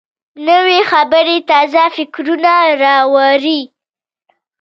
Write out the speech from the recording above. نوې خبرې تازه فکرونه راوړي